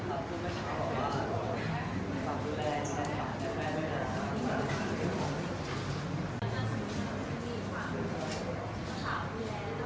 แบบว่าเราไม่ควรในร้อนอะไรอย่างเงี้ยแต่ว่าเข้ามาอยู่กับเรา